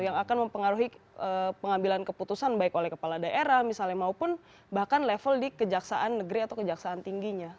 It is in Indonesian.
yang akan mempengaruhi pengambilan keputusan baik oleh kepala daerah misalnya maupun bahkan level di kejaksaan negeri atau kejaksaan tingginya